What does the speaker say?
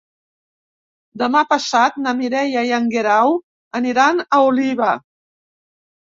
Demà passat na Mireia i en Guerau aniran a Oliva.